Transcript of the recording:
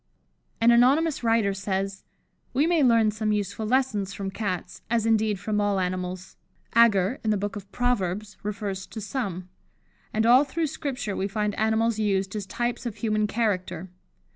'" An anonymous writer says: "We may learn some useful lessons from Cats, as indeed, from all animals. Agur, in the book of Proverbs, refers to some; and all through Scripture we find animals used as types of human character.